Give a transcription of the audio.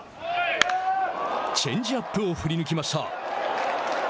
チェンジアップを振り抜きました。